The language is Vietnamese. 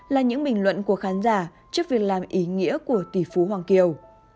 là những bình luận của khán giả trước việc làm ý nghĩa của tỷ phú hoàng kiều